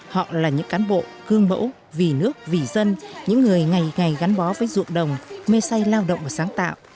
họ là những cán bộ gương mẫu vì nước vì dân những người ngày ngày gắn bó với ruộng đồng mê say lao động và sáng tạo